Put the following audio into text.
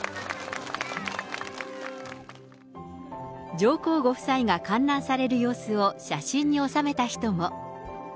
上皇ご夫妻が観覧される様子を写真に収めた人も。